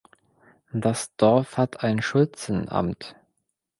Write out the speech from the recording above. Das Dorf hat ein Schulzenamt.